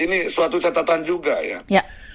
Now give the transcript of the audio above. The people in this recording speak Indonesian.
ini suatu catatan juga ya